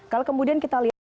kalau kemudian kita lihat